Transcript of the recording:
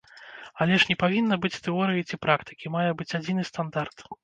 Але ж не павінна быць тэорыі ці практыкі, мае быць адзіны стандарт!